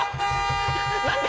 何で？